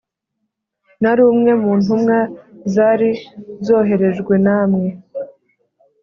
nari umwe mu ntumwa zari zoherejwe n'ammwe